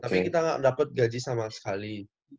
tapi kita ga dapet gaji sama sekali